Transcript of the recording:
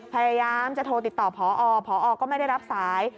พยายามจะโทรติดต่อพอพอก็ไม่ได้รับสาย